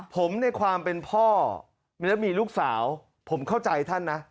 ผมในความเป็นพ่อและมีลูกสาวผมเข้าใจท่านนะ